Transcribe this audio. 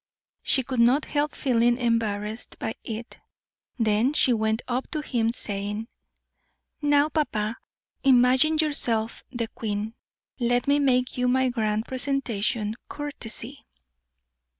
She could not help feeling embarrassed by it. Then she went up to him, saying: "Now, papa, imagine yourself the queen; let me make you my grand presentation courtesy."